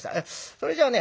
それじゃね